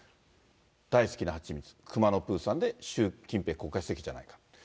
大好きな蜂蜜、くまのプーさんで、習近平国家主席じゃないかと。